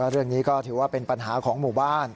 เรื่องนี้ก็ถือว่าเป็นปัญหาของหมู่บ้าน